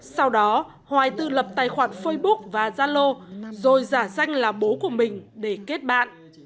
sau đó hoài tự lập tài khoản facebook và zalo rồi giả danh là bố của mình để kết bạn